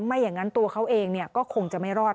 ไม่อย่างนั้นตัวเขาเองก็คงจะไม่รอด